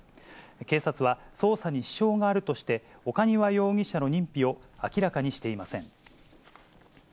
警察は、捜査に支障があるとして、岡庭容疑者の認否を明らかにしていません。